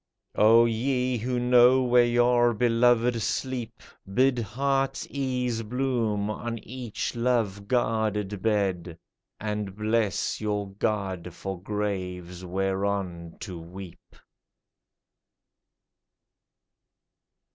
O, ye who know where your beloved sleep, Bid heart's ease bloom on each love guarded bed, And bless your God for graves whereon to weep